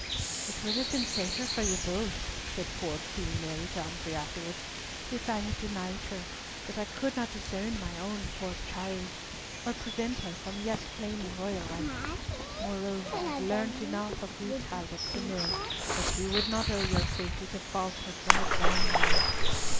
"It would have been safer for you both," said poor Queen Mary to Humfrey afterwards, "if I had denied her, but I could not disown my poor child, or prevent her from yet claiming royal rights. Moreover, I have learnt enough of you Talbots to know that you would not owe your safety to falsehood from a dying woman."